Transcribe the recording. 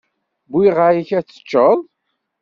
Wwiɣ-ak-d ad teččeḍ.